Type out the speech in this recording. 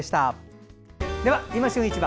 「いま旬市場」